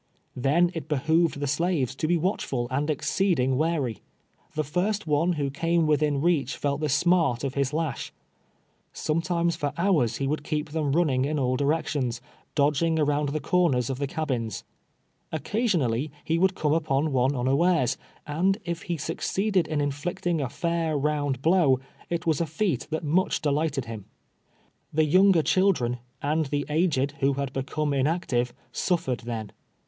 Then it behooved the slaves to be watchful and exceeding wary. The first one who came M'ithin reach felt the smart of his lash. Sometimes for hours he would keep them running in all directions, dodging around the corners of the cab ins. Occasionally he would come upon one unawares, and if he succeeded in inflicting a fair, round blow, it was a feat that much delighted him, Tlie younger children, and the aged, who had become inactive, suffered then.